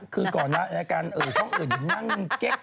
คือก่อนละช่องอื่นอย่างนั่งเก๊ก